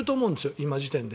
今時点で。